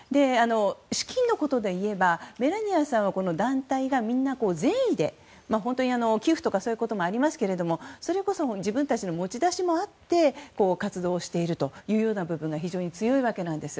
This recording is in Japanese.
資金のことでいえばメラニアさんはこの団体がみんな善意で寄付とかそういうこともありますけどもそれこそ自分たちの持ち出しもあって活動をしているという部分が非常に強いわけなんです。